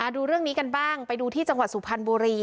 ดูเรื่องนี้กันบ้างไปดูที่จังหวัดสุพรรณบุรี